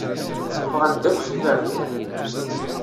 Ffɣen-d akk s iberdan.